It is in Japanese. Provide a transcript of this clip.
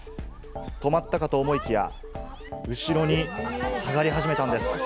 止まったかと思いきや、後ろに下がり始めたんです。